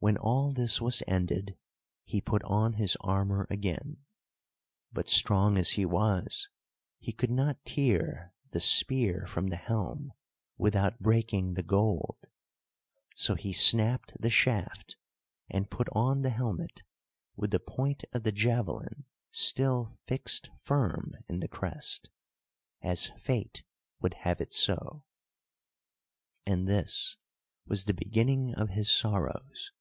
When all this was ended he put on his armour again; but strong as he was, he could not tear the spear from the helm without breaking the gold; so he snapped the shaft and put on the helmet with the point of the javelin still fixed firm in the crest, as Fate would have it so, and this was the beginning of his sorrows.